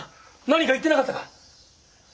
何か言ってなかったか？